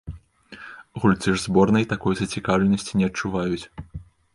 Гульцы ж зборнай такой зацікаўленасці не адчуваюць.